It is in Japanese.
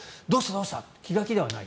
どうした！と気が気ではない。